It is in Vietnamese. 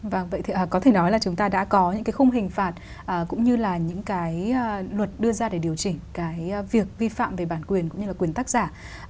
vâng vậy có thể nói là chúng ta đã có những cái khung hình phạt cũng như là những cái luật đưa ra để điều chỉnh cái việc vi phạm về bản quyền cũng như là quyền tác giả